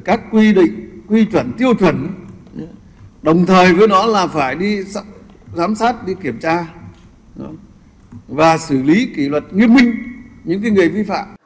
các quy định quy chuẩn tiêu chuẩn đồng thời với nó là phải đi giám sát đi kiểm tra và xử lý kỷ luật nghiêm minh những người vi phạm